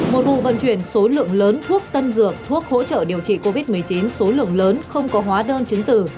một vụ vận chuyển số lượng lớn thuốc tân dược thuốc hỗ trợ điều trị covid một mươi chín số lượng lớn không có hóa đơn chứng tử